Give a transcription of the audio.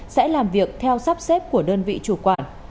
sẽ làm việc theo sắp xếp của đơn vị chủ quản